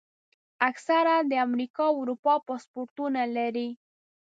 اکثره د امریکا او اروپا پاسپورټونه لري.